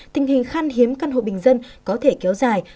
tình hình khan hiếm căn hộ bình dân có thể kéo dài